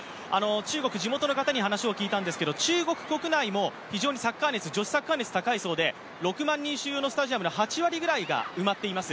中国、地元の方に話を聞いたんですけど、中国国内も非常にサッカー熱、女子サッカー熱高いそうで、６万人収容のスタジアムの８割ぐらいが埋まっています。